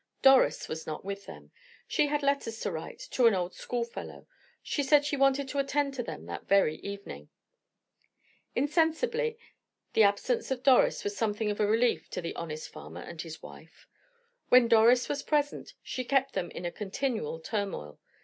Doris was not with them; she had letters to write to an old schoolfellow; she said she wanted to attend to them that very evening. Insensibly, the absence of Doris was something of a relief to the honest farmer and his wife. When Doris was present, she kept them in a continual turmoil.